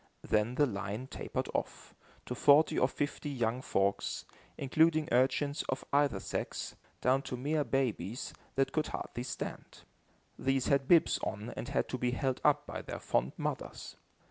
Then the line tapered off, to forty or fifty young folks, including urchins of either sex, down to mere babies, that could hardly stand. These had bibs on and had to be held up by their fond mothers.